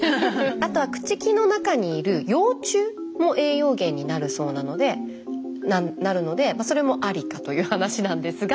あとは朽ち木の中にいる幼虫も栄養源になるそうなのでそれもありかという話なんですが。